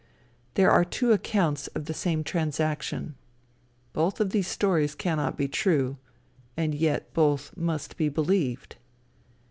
There are two accounts of the same transaction. Both of these stories cannot be true, and yet both must be believed.